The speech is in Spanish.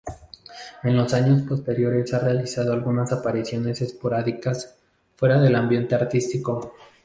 En los años posteriores ha realizado algunas apariciones esporádicas, fuera del ambiente artístico.